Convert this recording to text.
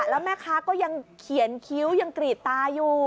แล้วแม่ค้าก็ยังเขียนคิ้วยังกรีดตาอยู่